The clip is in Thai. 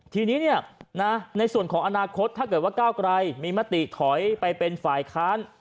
ทีนี้ในส่วนของอนาคตถ้าเกิดว่าก้าวไกรมีมติถอยไปเป็นฝ่ายค้าน